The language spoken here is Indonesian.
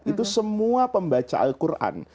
itu semua pembaca al quran